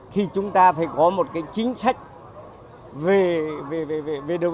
thì chúng ta phải có một cái chính sách về đầu